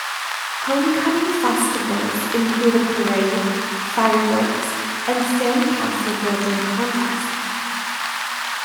Homecoming festivities include a parade, fireworks, and sandcastle-building contest.